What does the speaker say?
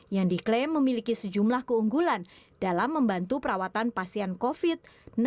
yang diklaim memiliki sejumlah keunggulan dalam membantu perawatan pasien covid sembilan belas